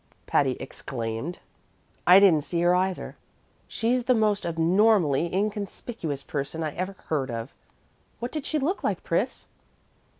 Patty exclaimed. "I didn't see her, either. She's the most abnormally inconspicuous person I ever heard of. What did she look like, Pris?"